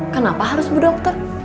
kenapa harus berdokter